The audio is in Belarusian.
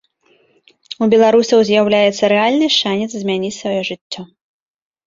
У беларусаў з'яўляецца рэальны шанец змяніць сваё жыццё.